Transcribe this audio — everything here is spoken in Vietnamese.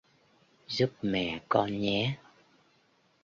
giúp mẹ con nhé